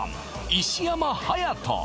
石山勇人